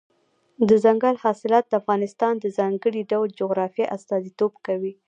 دځنګل حاصلات د افغانستان د ځانګړي ډول جغرافیه استازیتوب کوي.